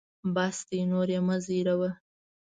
بس دی نور یې مه زهیروه.